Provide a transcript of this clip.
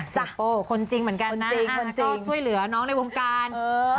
ซิโป้คนจริงเหมือนกันนะช่วยเหลือน้องในวงการ